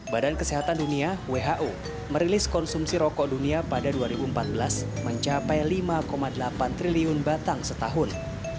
badan kesehatan dunia who merilis konsumsi rokok dunia pada dua ribu empat belas mencapai lima delapan triliun batang setahun